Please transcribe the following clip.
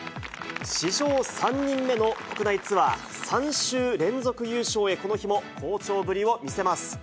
史上３人目の国内ツアー３週連続優勝へ、この日も好調ぶりを見せます。